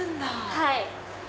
はい。